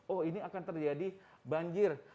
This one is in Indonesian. oh ini akan terjadi banjir